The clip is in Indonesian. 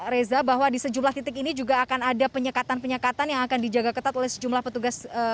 reza bahwa di sejumlah titik ini juga akan ada penyekatan penyekatan yang akan dijaga ketat oleh sejumlah petugas